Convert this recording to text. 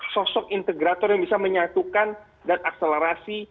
sosok integrator yang bisa menyatukan dan akselerasi